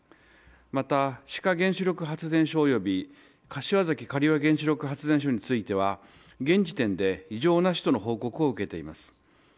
また、志賀原子力発電所および柏崎刈羽原子力発電所においては現時点で異常なしとの報告を受けています。